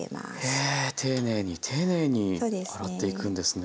へえ丁寧に丁寧に洗っていくんですね。